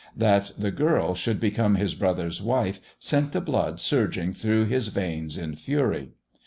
That the girl should become his brother's wife sent the blood surging through his veins in fury.